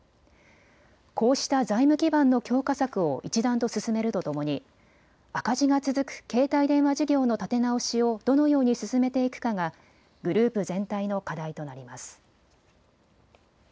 こうした財務基盤の強化策を一段と進めるとともに赤字が続く携帯電話事業の立て直しをどのように進めていくかがグループ全体の課題となります。